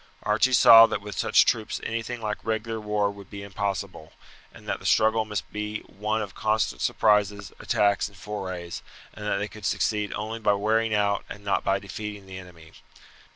Archie saw that with such troops anything like regular war would be impossible, and that the struggle must be one of constant surprises, attacks, and forays, and that they could succeed only by wearing out and not by defeating the enemy.